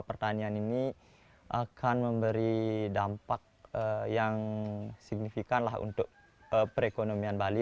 pertanian ini akan memberi dampak yang signifikan lah untuk perekonomian bali